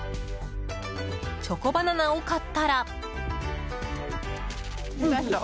チョコバナナを買ったら。